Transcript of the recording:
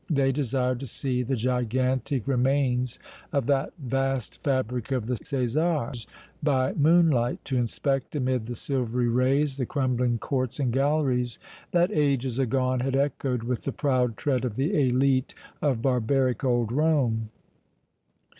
They desired to see the gigantic remains of that vast fabric of the Cassars by moonlight, to inspect amid the silvery rays the crumbling courts and galleries that ages agone had echoed with the proud tread of the élite of barbaric old Rome!